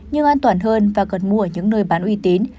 nhưng an toàn hơn và còn mua ở những nơi bán uy tín